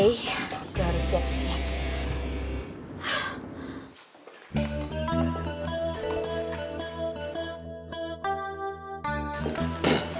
kita harus siap siap